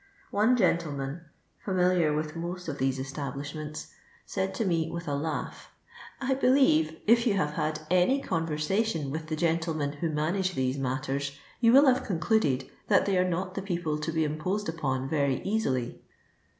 One gentleman, fa miliar with most of these establishmenU, said to me with a laugh, " I believe, if you have had any conversation with the gentlemen who manage those matters, you will have concluded that they are not the people to be imposed upon very easily."